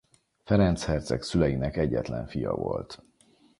Ferenc herceg szüleinek egyetlen fia volt.